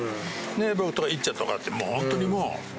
僕とかいっちゃんとかってホントにもう。